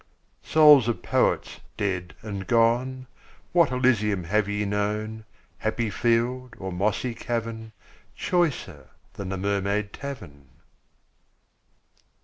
Souls of Poets dead and gone, What Elysium have ye known, Happy field or mossy cavern, Choicer than the Mermaid Tavern?